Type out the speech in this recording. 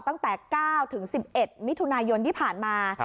ตั้งแต่๙๑๑มิถุนายนที่ผ่านมา